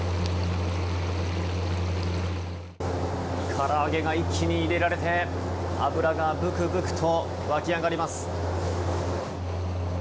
から揚げが一気に入れられて油がブクブクと湧き上がります。